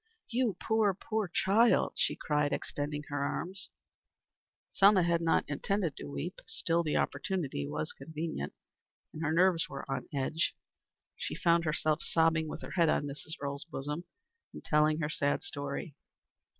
"You, poor, poor child," she cried extending her arms. Selma had not intended to weep. Still the opportunity was convenient, and her nerves were on edge. She found herself sobbing with her head on Mrs. Earle's, bosom, and telling her sad story.